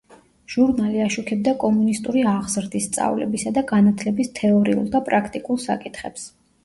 ჟურნალი აშუქებდა კომუნისტური აღზრდის, სწავლებისა და განათლების თეორიულ და პრაქტიკულ საკითხებს.